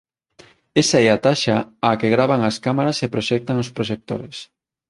Esa é a taxa á que gravan as cámaras e proxectan os proxectores.